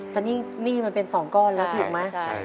ตอนนี้มันเป็นสองก้อนแล้วถูกไหมใช่